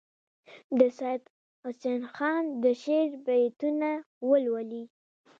د سیدحسن خان د شعر بیتونه ولولي.